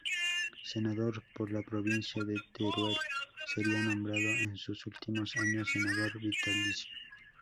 Senador por la provincia de Teruel, sería nombrado en sus últimos años senador vitalicio.